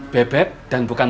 beb beb dan bukan